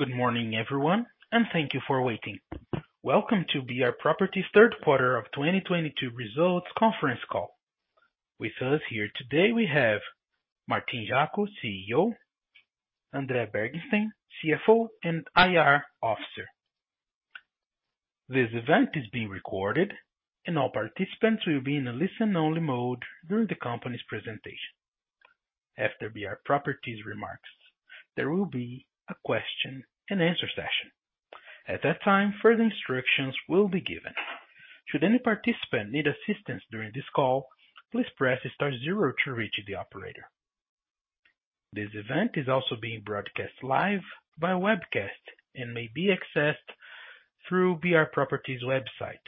Good morning, everyone, and thank you for waiting. Welcome to BR Properties' Q3 of 2022 results conference call. With us here today we have Martin Jaco, CEO, André Bergstein, CFO and IR Officer. This event is being recorded and all participants will be in a listen-only mode during the company's presentation. After BR Properties remarks, there will be a question-and-answer session. At that time, further instructions will be given. Should any participant need assistance during this call, please press star zero to reach the operator. This event is also being broadcast live by webcast, and may be accessed through BR Properties website,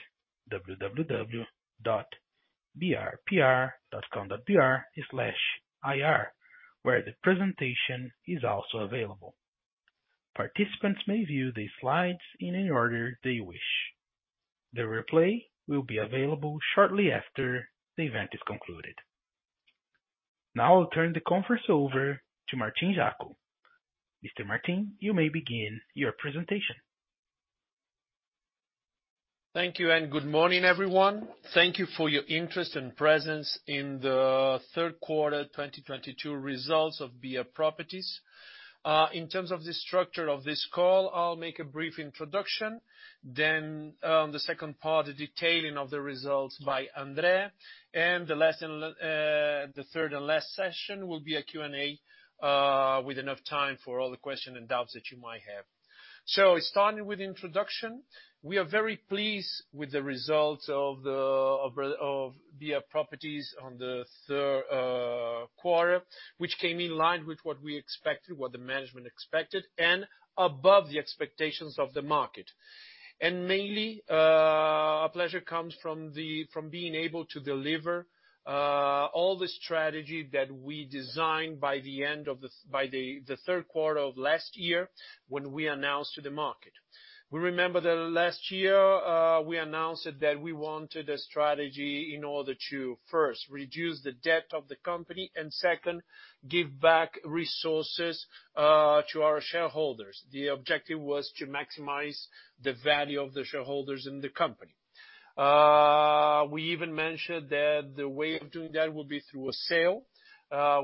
www.brpr.com.br/ri/, where the presentation is also available. Participants may view the slides in any order they wish. The replay will be available shortly after the event is concluded. Now I'll turn the conference over to Martin Jaco, Mr. Martin, you may begin your presentation. Thank you, and good morning, everyone. Thank you for your interest and presence in the Q3 2022 results of BR Properties. In terms of the structure of this call, I'll make a brief introduction, then, the second part, the detailing of the results by André, and the third and last session will be a Q&A, with enough time for all the question and doubts that you might have. Starting with introduction, we are very pleased with the results of BR Properties on the Q3, which came in line with what we expected, what the management expected, and above the expectations of the market. Mainly, our pleasure comes from being able to deliver all the strategy that we designed by the Q3 of last year when we announced to the market. We remember that last year, we announced that we wanted a strategy in order to, first, reduce the debt of the company, and second, give back resources to our shareholders. The objective was to maximize the value of the shareholders in the company. We even mentioned that the way of doing that would be through a sale.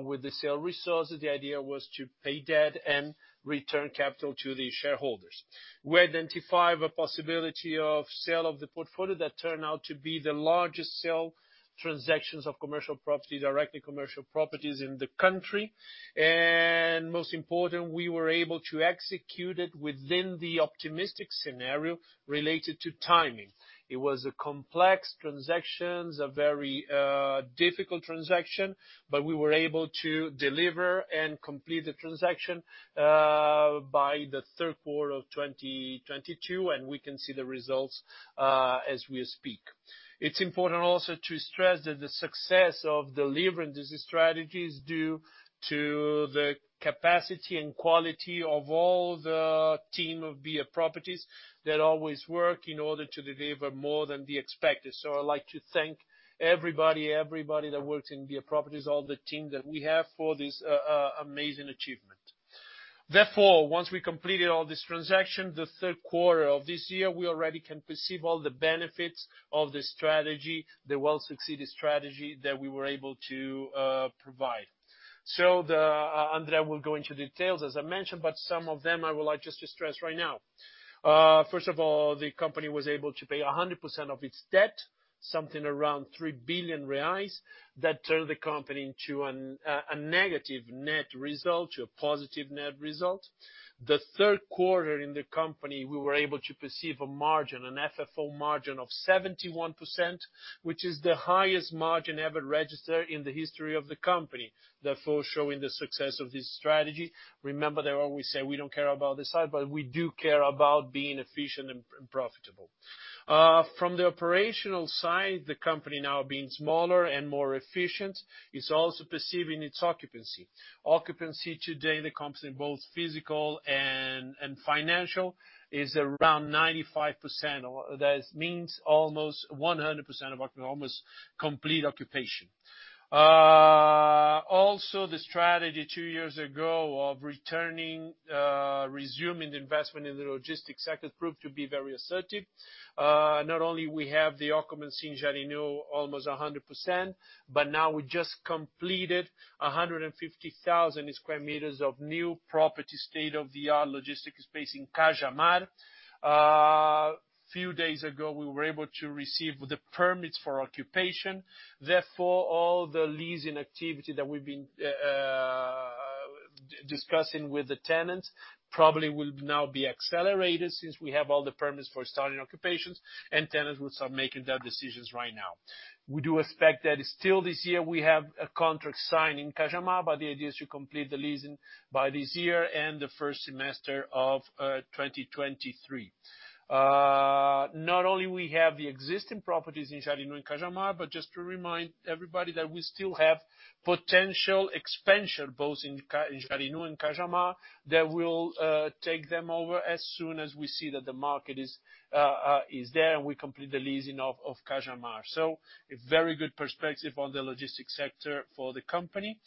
With the sale resources, the idea was to pay debt and return capital to the shareholders. We identified a possibility of sale of the portfolio that turned out to be the largest sale transactions of commercial properties, directly commercial properties in the country. Most important, we were able to execute it within the optimistic scenario related to timing. It was a complex transaction, a very difficult transaction, but we were able to deliver and complete the transaction by the Q3 of 2022, and we can see the results as we speak. It's important also to stress that the success of delivering this strategy is due to the capacity and quality of all the team of BR Properties that always work in order to deliver more than the expected. I'd like to thank everybody that works in BR Properties, all the team that we have for this amazing achievement. Once we completed all this transaction, the Q3 of this year, we already can perceive all the benefits of the strategy, the well-succeeded strategy that we were able to provide. So André will go into details, as I mentioned, but some of them I would like just to stress right now. First of all, the company was able to pay 100% of its debt, something around 3 billion reais. That turned the company into a negative net result to a positive net result. The Q3 in the company, we were able to achieve a margin, an FFO margin of 71%, which is the highest margin ever registered in the history of the company, therefore showing the success of this strategy. Remember that when we say we don't care about the size, but we do care about being efficient and profitable. From the operational side, the company now being smaller and more efficient, is also achieving its occupancy. Occupancy today in the company in both physical and financial is around 95% or that means almost 100% occupancy, almost complete occupation. Also the strategy two years ago of resuming the investment in the logistics sector proved to be very assertive. Not only we have the occupancy in Jarinu almost 100%, but now we just completed 150,000 square meters of new property state-of-the-art logistics space in Cajamar. Few days ago, we were able to receive the permits for occupation. Therefore, all the leasing activity that we've been discussing with the tenants probably will now be accelerated since we have all the permits for starting occupations and tenants will start making their decisions right now. We do expect that still this year we have a contract signed in Cajamar, but the idea is to complete the leasing by this year and the first semester of 2023. Not only we have the existing properties in Jarinu and Cajamar, but just to remind everybody that we still have potential expansion both in Jarinu and Cajamar that will take them over as soon as we see that the market is there and we complete the leasing of Cajamar. A very good perspective on the logistics sector for the company.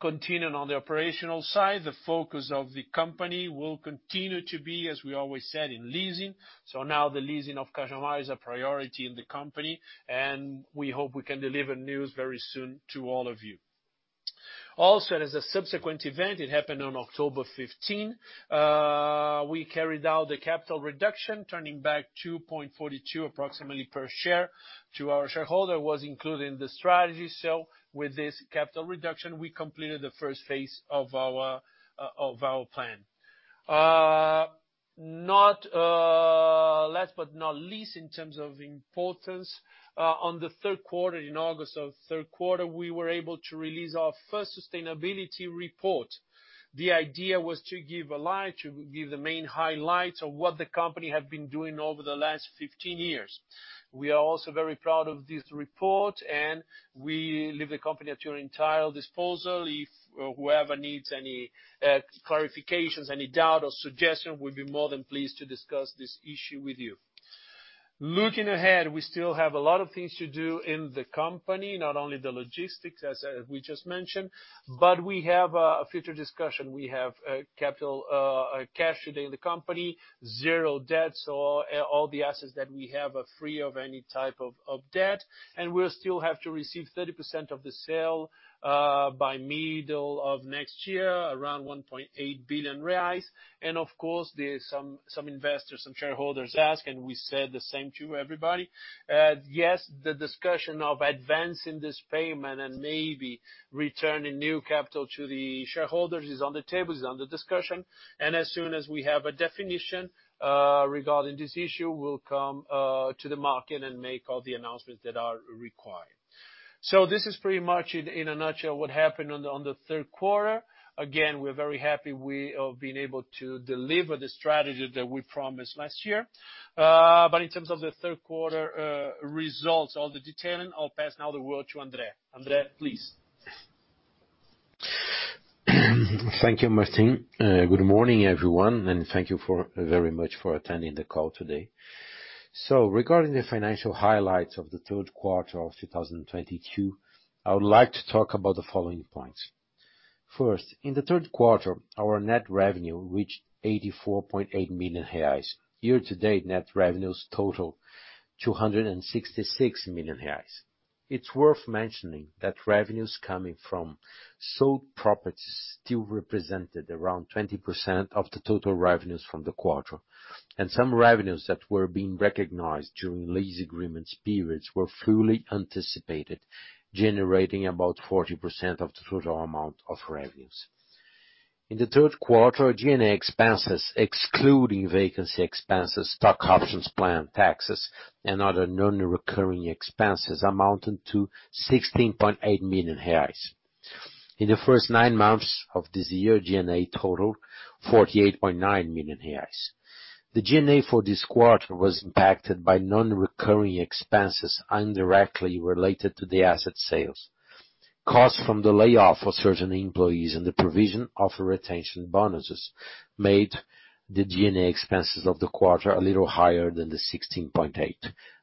Continuing on the operational side, the focus of the company will continue to be, as we always said, in leasing. Now the leasing of Cajamar is a priority in the company, and we hope we can deliver news very soon to all of you. Also, as a subsequent event, it happened on October 15, we carried out the capital reduction, returning approximately BRL 2.42 per share to our shareholder, was included in the strategic sale. With this capital reduction, we completed the first phase of our plan. Last but not least, in terms of importance, in the Q3, in August of Q3, we were able to release our first sustainability report. The idea was to give a light, to give the main highlights of what the company had been doing over the last 15 years. We are also very proud of this report, and we leave the company at your entire disposal. If whoever needs any clarifications, any doubt or suggestion, we'd be more than pleased to discuss this issue with you. Looking ahead, we still have a lot of things to do in the company, not only the logistics, as we just mentioned, but we have a future discussion. We have capital, cash today in the company, zero debts or all the assets that we have are free of any type of debt. We'll still have to receive 30% of the sale by middle of next year, around 1.8 billion reais. Of course, there are some investors, some shareholders ask, and we said the same to everybody, yes, the discussion of advancing this payment and maybe returning new capital to the shareholders is on the table, is under discussion. As soon as we have a definition regarding this issue, we'll come to the market and make all the announcements that are required. This is pretty much in a nutshell what happened on the Q3. Again, we're very happy we have been able to deliver the strategy that we promised last year. In terms of the Q3 results, all the detail, I'll pass now the word to André. André, please. Thank you, Martín. Good morning, everyone, and thank you very much for attending the call today. Regarding the financial highlights of the Q3 of 2022, I would like to talk about the following points. First, in the Q3, our net revenue reached 84.8 million reais. Year-to-date net revenues total 266 million reais. It's worth mentioning that revenues coming from sold properties still represented around 20% of the total revenues from the quarter. Some revenues that were being recognized during lease agreements periods were fully anticipated, generating about 40% of the total amount of revenues. In the Q3, G&A expenses excluding vacancy expenses, stock options plan, taxes, and other non-recurring expenses amounted to 16.8 million reais. In the first nine months of this year, G&A totaled 48.9 million reais. The G&A for this quarter was impacted by non-recurring expenses indirectly related to the asset sales. Costs from the layoff of certain employees and the provision of retention bonuses made the G&A expenses of the quarter a little higher than 16.8.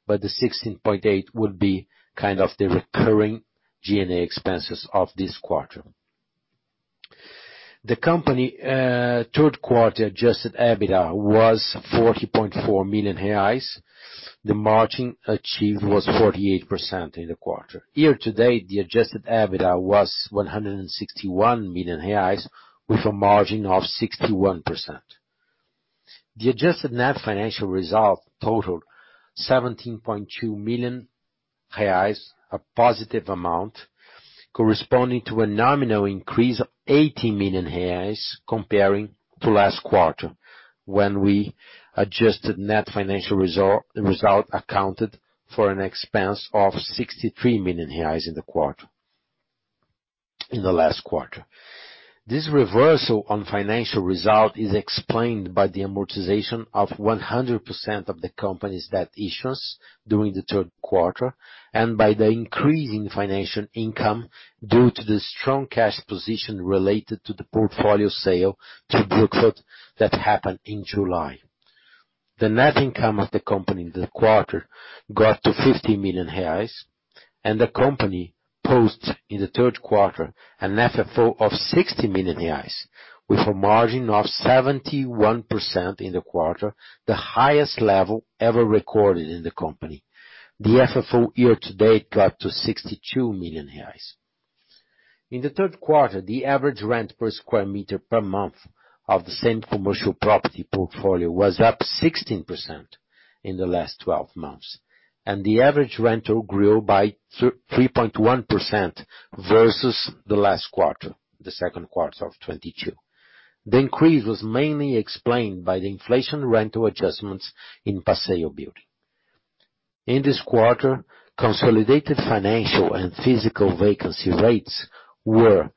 The 16.8 would be kind of the recurring G&A expenses of this quarter. The company Q3 adjusted EBITDA was 40.4 million reais. The margin achieved was 48% in the quarter. Year-to-date, the adjusted EBITDA was 161 million reais with a margin of 61%. The adjusted net financial result totaled 17.2 million reais, a positive amount corresponding to a nominal increase of 80 million reais comparing to last quarter when we adjusted net financial result accounted for an expense of 63 million reais in the quarter. In the last quarter. This reversal on financial result is explained by the amortization of 100% of the company's debt issuance during the Q3 and by the increase in financial income due to the strong cash position related to the portfolio sale to Brookfield that happened in July. The net income of the company in the quarter got to 50 million reais and the company posted in the Q3 an FFO of 60 million reais with a margin of 71% in the quarter, the highest level ever recorded in the company. The FFO year-to-date got to 62 million reais. In the Q3, the average rent per square meter per month of the same commercial property portfolio was up 16% in the last twelve months, and the average rental grew by 33.1% versus the last quarter, the Q2 of 2022. The increase was mainly explained by the inflation rental adjustments in Passeio Corporate. In this quarter, consolidated financial and physical vacancy rates were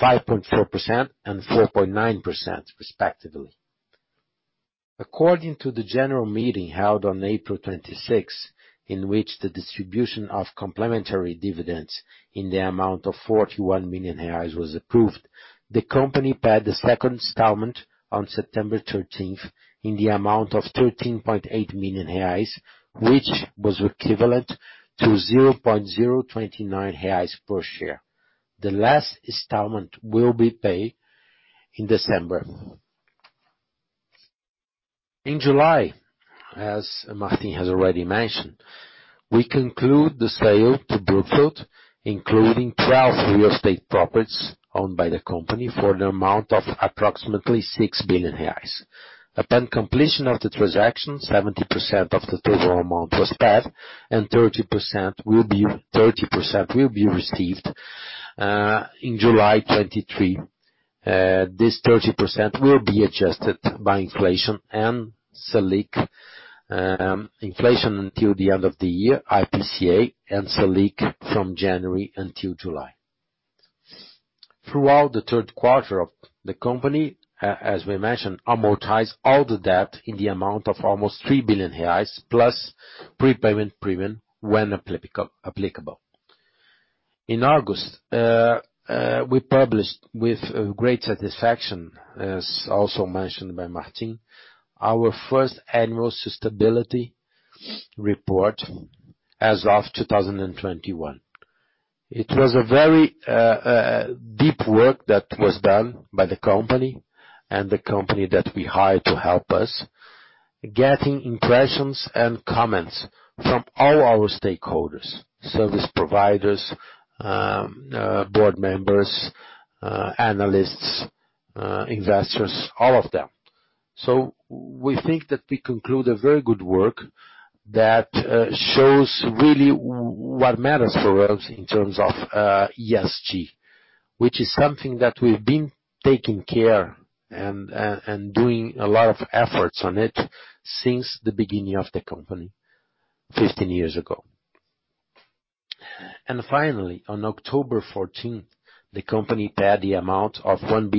5.4% and 4.9% respectively. According to the general meeting held on April 26, in which the distribution of complementary dividends in the amount of 41 million reais was approved. The company paid the second installment on September 13 in the amount of 13.8 million reais, which was equivalent to 0.029 reais per share. The last installment will be paid in December. In July, as Martín has already mentioned, we conclude the sale to Brookfield, including 12 real estate properties owned by the company for the amount of approximately 6 billion reais. Upon completion of the transaction, 70% of the total amount was paid and 30% will be received in July 2023. This 30% will be adjusted by inflation and Selic. Inflation until the end of the year, IPCA and Selic from January until July. Throughout the Q3 of the company, as we mentioned, amortize all the debt in the amount of almost 3 billion reais plus prepayment premium when applicable. In August, we published with great satisfaction, as also mentioned by Martín, our first annual sustainability report as of 2021. It was a very deep work that was done by the company and the company that we hire to help us, getting impressions and comments from all our stakeholders, service providers, board members, analysts, investors, all of them. We think that we conclude a very good work that shows really what matters for us in terms of ESG, which is something that we've been taking care and doing a lot of efforts on it since the beginning of the company 15 years ago. Finally, on October fourteenth, the company paid the amount of 1.125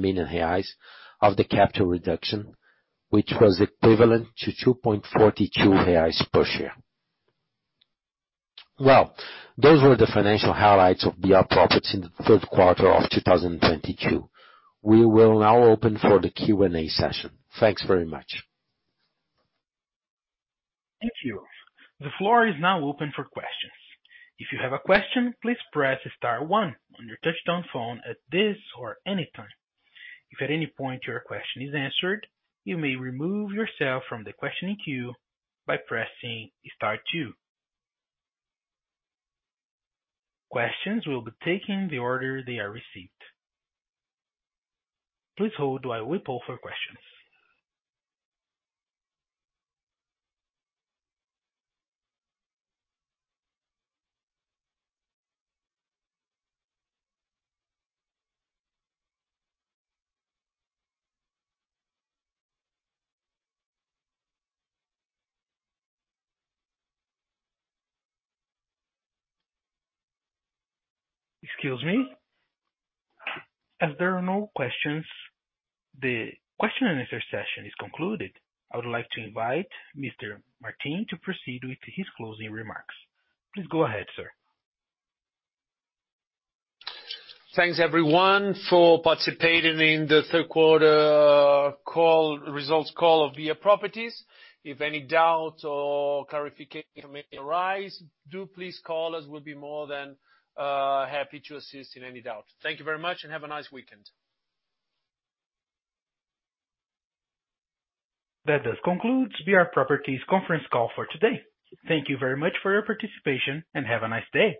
billion reais of the capital reduction, which was equivalent to 2.42 reais per share. Well, those were the financial highlights of BR Properties in the Q3 of 2022. We will now open for the Q&A session. Thanks very much. Thank you. The floor is now open for questions. If you have a question, please press star one on your touch-tone phone at this or any time. If at any point your question is answered, you may remove yourself from the questioning queue by pressing star two. Questions will be taken in the order they are received. Please hold while we poll for questions. Excuse me. As there are no questions, the question and answer session is concluded. I would like to invite Mr. Martín to proceed with his closing remarks. Please go ahead, sir. Thanks everyone for participating in the Q3 call, results call of BR Properties. If any doubt or clarification may arise, do please call us. We'll be more than happy to assist in any doubt. Thank you very much and have a nice weekend. That does conclude BR Properties conference call for today. Thank you very much for your participation, and have a nice day.